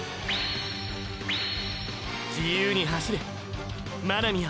自由に走れ真波よ！！